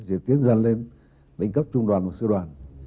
chỉ là tiến dần lên đánh cấp trung đoàn và siêu đoàn